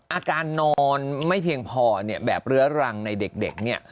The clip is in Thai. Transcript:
อาการนอนไม่เพียงพอเนี่ยแบบเรื้อรังในเด็กเนี่ย